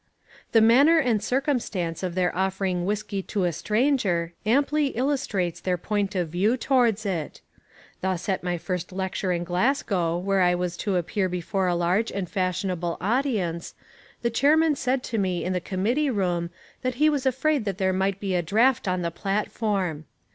The manner and circumstance of their offering whiskey to a stranger amply illustrates their point of view towards it. Thus at my first lecture in Glasgow where I was to appear before a large and fashionable audience, the chairman said to me in the committee room that he was afraid that there might be a draft on the platform.